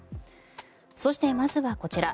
そしてまずはこちら。